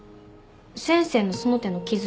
先生のその手の傷